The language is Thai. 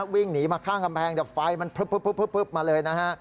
วิ่งหนีมาข้างแค่แมงแต่ไฟมันพืบมาเลย